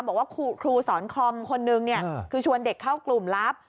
บอกว่าครูสอนคอมคนนึงคือชวนเด็กเข้ากลุ่มลับ